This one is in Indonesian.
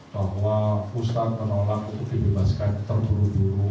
bahwa ustaz menolak untuk dibebaskan tertulung dulu